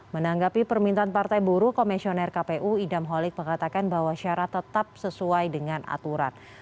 menanggapi permintaan partai buruh komisioner kpu idam holik mengatakan bahwa syarat tetap sesuai dengan aturan